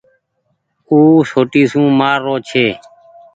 او سوٽي سون مآر رو ڇي۔